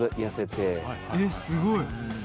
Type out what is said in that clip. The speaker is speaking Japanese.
えっすごい。